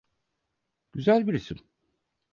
Güzel bir isim.